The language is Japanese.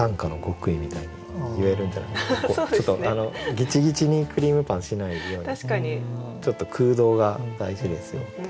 ギチギチにクリームパンしないようにちょっと空洞が大事ですよって。